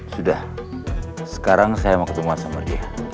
sudah sekarang saya mau ketemu sama dia